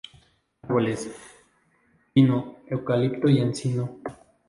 Árboles: Pino, eucalipto y encino.